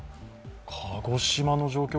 鹿児島の状況